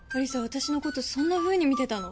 私のことそんなふうに見てたの？